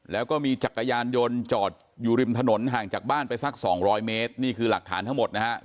แล้วก็มีจักรยานยนต์จอดอยู่ริมถนนห่างจากบ้านไปสักสองร้อยเมตรนี่คือหลักฐานทั้งหมดนะฮะ